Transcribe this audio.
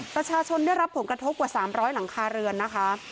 ประชาชนได้รับผลกระทบกว่า๓๐๐หลังคาเรือนนะคะ